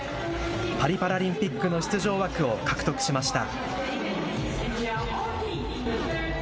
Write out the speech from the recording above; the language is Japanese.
パリパラリンピックの出場枠を獲得しました。